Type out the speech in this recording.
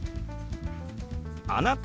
「あなた？」。